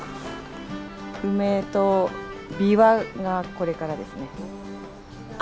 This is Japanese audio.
梅とびわがこれからですね。